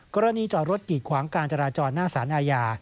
กรณีจอดรถกีดขวางการจราจรหน้าสารอาญา